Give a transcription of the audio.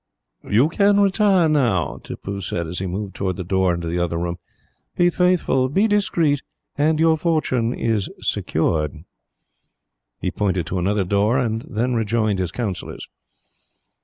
"You can retire now," Tippoo said, as he moved towards the door into the other room. "Be faithful, be discreet, and your fortune is assured." He pointed to another door, and then rejoined his councillors.